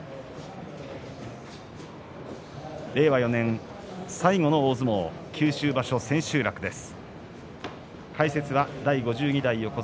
令和４年最後の大相撲九州場所千秋楽です。